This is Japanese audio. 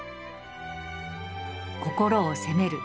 「心を攻める」